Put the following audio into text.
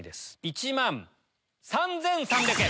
１万３３００円！